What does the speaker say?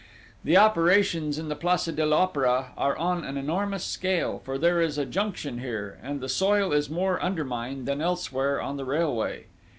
The operations in the place de l'Opéra are on an enormous scale, for there is a junction here, and the soil is more undermined than elsewhere on the railway.